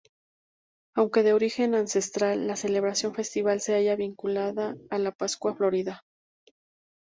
Aunque de origen ancestral, la celebración festiva se halla vinculada a la Pascua Florida.